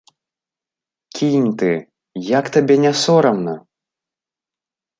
Кінь ты, як табе не сорамна!